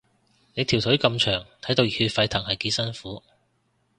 你條腿咁長，睇到熱血沸騰係幾辛苦